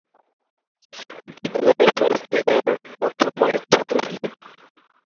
বিদ্যালয়ে শোয়ার্জনেগার মধ্যম মানের ছাত্র ছিলেন।